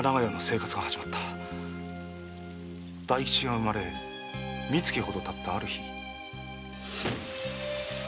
大吉が生まれ三月ほどたったある日。